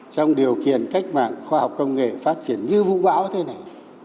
trong điều kiện cách mạng khoa học công nghệ phát triển như vũ bão thế này